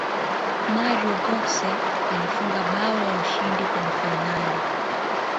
mario gotze alifunga bao la ushindi kwenye fainali